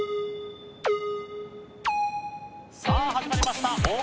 さあ始まりました。